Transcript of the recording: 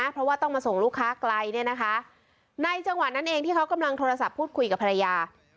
เพราะว่าต้องมาส่งลูกค้าไกลเนี่ยนะคะในจังหวะนั้นเองที่เขากำลังโทรศัพท์พูดคุยกับภรรยา